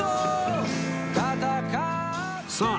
さあ